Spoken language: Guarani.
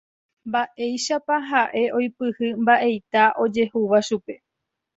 mba'éichapa ha'e oipyhy mba'eita ojehúva chupe